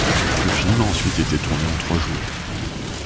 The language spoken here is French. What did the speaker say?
Le film a ensuite été tourné en trois jours.